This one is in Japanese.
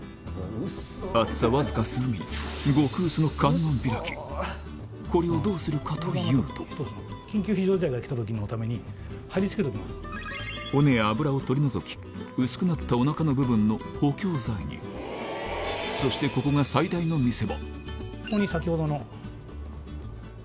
厚さわずか数ミリこれをどうするかというと骨や脂を取り除き薄くなったおなかの部分の補強材にそしてここがここに先ほどの。